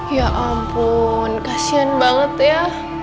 ya ampun kasian banget ya